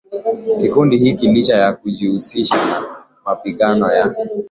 kikundi hiki licha ya kujihusisha na mapigano ya